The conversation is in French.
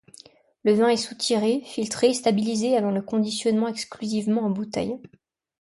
Le vin est soutiré, filtré et stabilisé avant le conditionnement exclusivement en bouteilles.